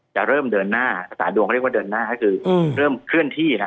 จะเริ่มเดินหน้าภาษาดวงเขาเรียกว่าเดินหน้าก็คือเริ่มเคลื่อนที่นะ